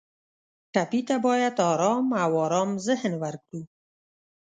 ټپي ته باید آرام او ارام ذهن ورکړو.